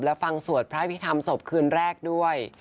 และฟังสวดพระอภิษฐรรมศพคืนแรกด้วย